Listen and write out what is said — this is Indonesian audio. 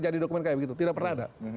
jadi dokumen kayak begitu tidak pernah ada